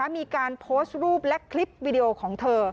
มีการโพสต์รูปและคลิปวิดีโอของเธอ